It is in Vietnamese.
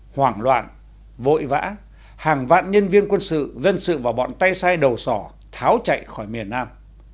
hoảng loạn vội vã hàng vạn nhân viên quân sự dân sự vào bọn tay sai đầu sỏ tháo chạy khỏi miền nam